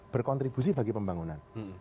berkontribusi bagi pembangunan